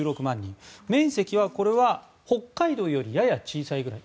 面積はこれは北海道よりやや小さいぐらい。